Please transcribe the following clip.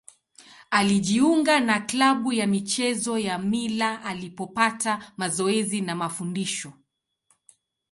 Alijiunga na klabu ya michezo ya Mila alipopata mazoezi na mafundisho.